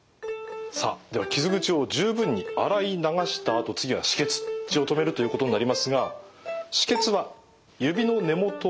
さあでは傷口を十分に洗い流したあと次は止血血を止めるということになりますが「止血は指の根元を輪ゴムでしばる」。